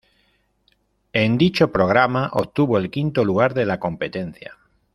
En dicho programa, obtuvo el quinto lugar de la competencia.